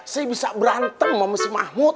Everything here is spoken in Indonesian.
saya bisa berantem sama si mahmud